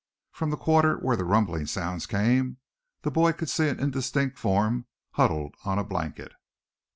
From the quarter where the rumbling sounds came, the boy could see an indistinct form huddled on a blanket.